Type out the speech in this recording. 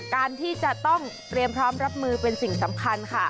การที่จะต้องเตรียมพร้อมรับมือเป็นสิ่งสำคัญค่ะ